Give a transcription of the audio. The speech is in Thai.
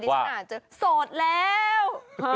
ฉันอาจจะโสดแล้ว